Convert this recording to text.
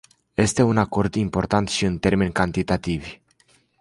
Este un acord important și în termeni cantitativi.